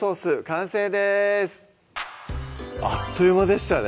完成ですあっという間でしたね